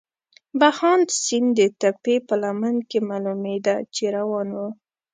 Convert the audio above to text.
بهاند سیند د تپې په لمن کې معلومېده، چې روان وو.